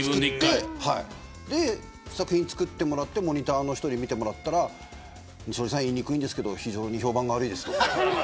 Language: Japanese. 作品を作ってもらってモニターの人に見てもらったら西堀さん、言いにくいですけど非常に評判が悪いですと。